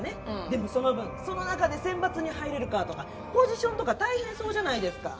でもその分その中で選抜に入れるかとかポジションとか大変そうじゃないですか。